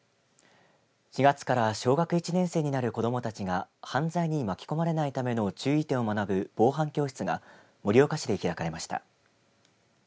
４月から小学１年生になる子どもたちが犯罪に巻き込まれないための注意点を学ぶ防犯教室が盛岡市で開かれました。